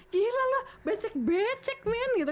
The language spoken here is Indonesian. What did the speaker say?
gila loh becek becek men gitu